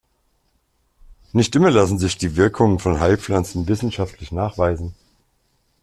Nicht immer lassen sich die Wirkungen von Heilpflanzen wissenschaftlich nachweisen.